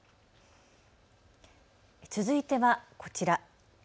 続いてはこちら。